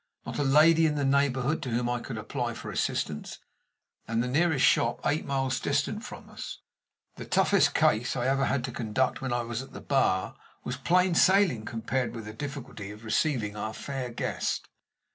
Not a lady in the neighborhood to whom I could apply for assistance, and the nearest shop eight miles distant from us. The toughest case I ever had to conduct, when I was at the Bar, was plain sailing compared with the difficulty of receiving our fair guest.